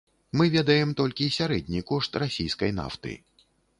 Мы ведаем толькі сярэдні кошт расійскай нафты.